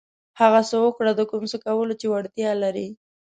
هغه څه وکړه د کوم څه کولو چې وړتیا لرئ.